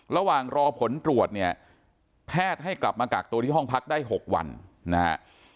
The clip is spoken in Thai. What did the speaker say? ระหว่างรอผลตรวจเนี่ยแพทย์ให้กลับมากักตัวที่ห้องพักได้๖วันนะฮะ